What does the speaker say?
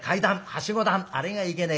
はしご段あれがいけねえや。